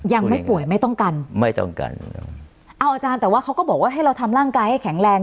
ยังไม่ป่วยไม่ต้องกันไม่ต้องกันเอาอาจารย์แต่ว่าเขาก็บอกว่าให้เราทำร่างกายให้แข็งแรง